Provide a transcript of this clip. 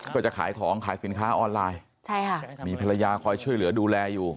ก็จะขายของขายสินค้าออนไลน์ใช่ค่ะมีภรรยาคอยช่วยเหลือดูแลอยู่